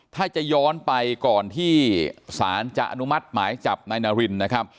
ถ้าจะย้อนไปก่อนที่ศาลจะอนุมัติหมายจับนายนารินนะครับ